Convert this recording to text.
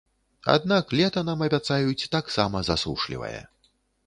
Аднак лета нам абяцаюць таксама засушлівае.